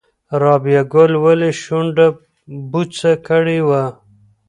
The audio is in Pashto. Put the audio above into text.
رابعه ګل ولې شونډه بوڅه کړې وه؟